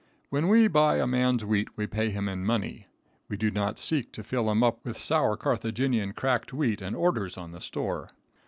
When we buy a man's wheat we pay him in money. We do not seek to fill him up with sour Carthagenian cracked wheat and orders on the store.